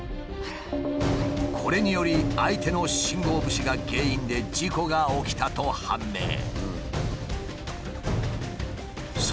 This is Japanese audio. これにより相手の信号無視が原因で事故が起きたと判明。